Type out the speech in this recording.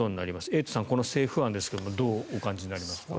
エイトさん、この政府案ですがどうお感じになりますか？